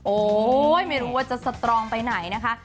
โอ้โหไม่รู้ว่าจะสตรองไปไหนนะคะ